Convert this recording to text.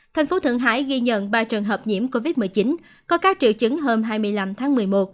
thành phố thượng hải ghi nhận ba trường hợp nhiễm covid một mươi chín có các triệu chứng hôm hai mươi năm tháng một mươi một